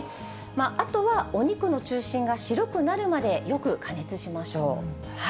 あとは、お肉の中心が白くなるまでよく加熱しましょう。